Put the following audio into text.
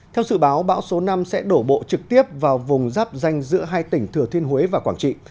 theo dự báo bão số năm sẽ đổ bộ trực tiếp vào vùng giáp danh giữa hai tỉnh thừa thiên huế và quảng trị